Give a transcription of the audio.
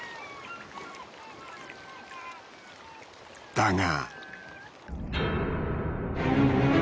だが。